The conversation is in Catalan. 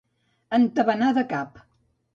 Entabanar de cap.